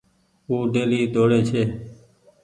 او ڊيلي ۮوڙي ڇي۔